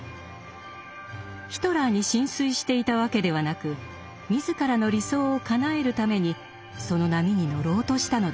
ヒトラーに心酔していたわけではなく自らの理想をかなえるためにその波に乗ろうとしたのです。